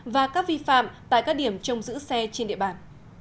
và các vi phạm tại các điểm trông giữ xe trên địa bàn